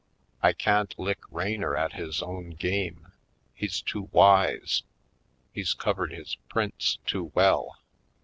I can't lick Raynor at his own game; he's too wise; he's covered his prints too well.